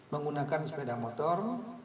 menggunakan sepeda motor